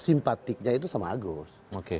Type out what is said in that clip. simpatiknya itu sama agus